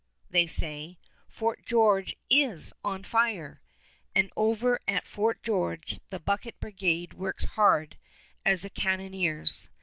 they say; "Fort George is on fire"; and over at Fort George the bucket brigade works hard as the cannoneers.